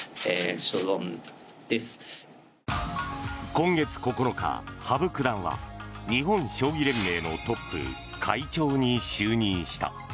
今月９日、羽生九段は日本将棋連盟のトップ会長に就任した。